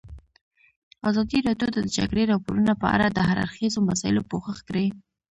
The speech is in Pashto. ازادي راډیو د د جګړې راپورونه په اړه د هر اړخیزو مسایلو پوښښ کړی.